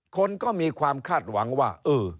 คนก็มีความคาดหวังว่าเออ